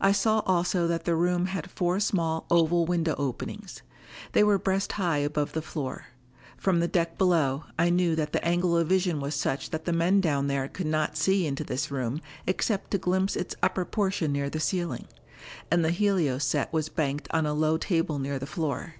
I saw also that the room had four small oval window openings. They were breast high above the floor; from the deck below I knew that the angle of vision was such that the men down there could not see into this room except to glimpse its upper portion near the ceiling. And the helio set was banked on a low table near the floor.